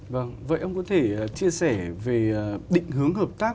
vâng vậy ông có thể chia sẻ về định hướng hợp tác